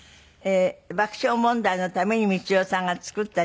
爆笑問題のために光代さんが作った事務所。